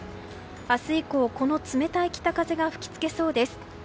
明日以降、この冷たい北風が吹きつけそうです。